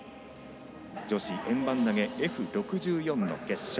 女子円盤投げＦ６４の決勝。